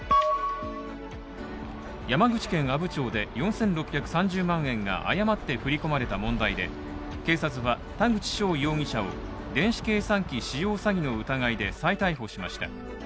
山口県阿武町で４６３０万円が誤って振り込まれた問題で、警察は、田口翔容疑者を電子計算機使用詐欺の疑いで再逮捕しました。